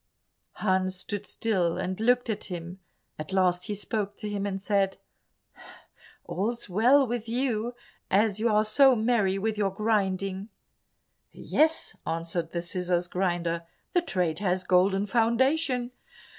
Hans stood still and looked at him; at last he spoke to him and said, "All's well with you, as you are so merry with your grinding." "Yes," answered the scissors grinder, "the trade has a golden foundation.